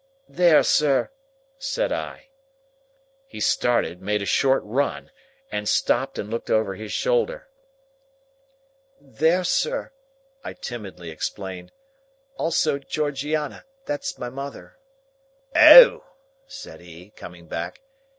"There, sir!" said I. He started, made a short run, and stopped and looked over his shoulder. "There, sir!" I timidly explained. "Also Georgiana. That's my mother." "Oh!" said he, coming back.